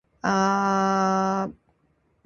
Kelihatannya itu murah.